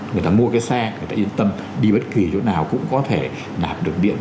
người ta mua cái xe người ta yên tâm đi bất kỳ chỗ nào cũng có thể nạp được điện